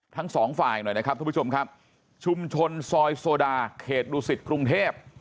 ทั้งสองฝ่ายหน่อยนะครับทุกผู้ชมครับชุมชนซอยโซดาเขตดุสิตกรุงเทพ